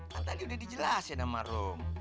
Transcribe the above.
kan tadi udah dijelas ya sama rum